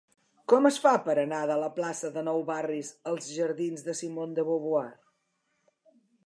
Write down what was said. Com es fa per anar de la plaça de Nou Barris als jardins de Simone de Beauvoir?